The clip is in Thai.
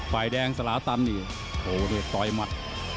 ฝ่ายแดงสละตันโอ้โฮต่อยมัด